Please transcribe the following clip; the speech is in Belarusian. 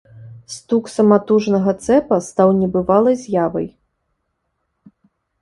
Стук саматужнага цэпа стаў небывалай з'явай.